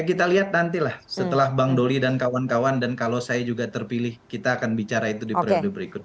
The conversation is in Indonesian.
kita lihat nantilah setelah bang doli dan kawan kawan dan kalau saya juga terpilih kita akan bicara itu di periode berikut